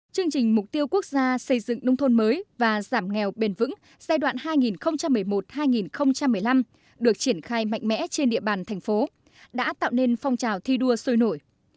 chương trình mục tiêu quốc gia xây dựng nông thôn mới và giảm nghèo bền vững giai đoạn hai nghìn một mươi một hai nghìn một mươi năm được triển khai mạnh mẽ trên địa bàn thành phố đã tạo nên phong trào thi đua sôi nổi